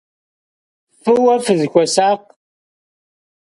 F'ıue fısxuesakh.